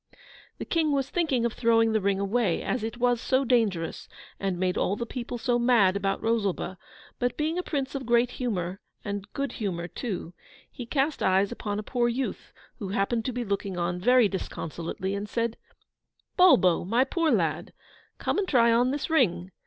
The King was thinking of throwing the ring away, as it was so dangerous and made all the people so mad about Rosalba; but being a Prince of great humour, and good humour too, he cast eyes upon a poor youth who happened to be looking on very disconsolately, and said 'Bulbo, my poor lad! come and try on this ring.